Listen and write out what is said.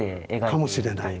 かもしれない。